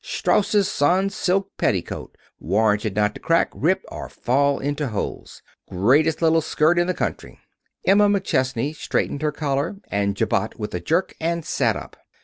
Strauss's Sans silk Petticoat, warranted not to crack, rip, or fall into holes. Greatest little skirt in the country." Emma McChesney straightened her collar and jabot with a jerk, and sat up.